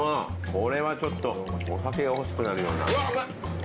これはちょっとお酒が欲しくなるようなうわっうまい！